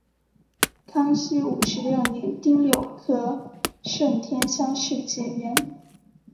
康熙五十六年丁酉科顺天乡试解元。